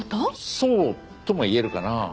そうとも言えるかな。